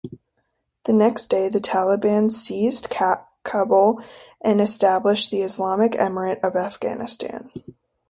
The next day the Taliban seized Kabul and established the Islamic Emirate of Afghanistan.